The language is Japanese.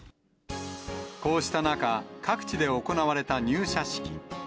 こうした中、各地で行われた入社式。